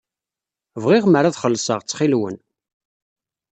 Bɣiɣ mer ad xellṣeɣ, ttxil-wen.